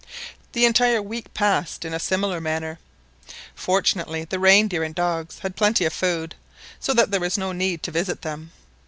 The entire week passed in a similar manner; fortunately the rein deer and dogs had plenty of food, so that there was no need to visit them.